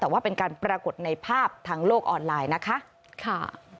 แต่ว่าเป็นการปรากฏในภาพทางโลกออนไลน์นะคะ